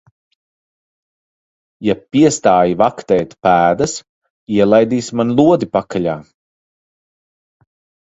Ja piestāji vaktēt pēdas, ielaidīsi man lodi pakaļā.